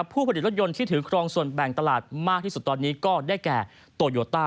ผู้ผลิตรถยนต์ที่ถือครองส่วนแบ่งตลาดมากที่สุดตอนนี้ก็ได้แก่โตโยต้า